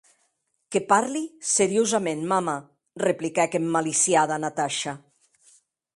Que parli seriosaments, mama, repliquèc emmaliciada Natasha.